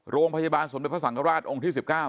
โรงพยาบาลสมเด็จพระสังฆราชองค์ที่๑๙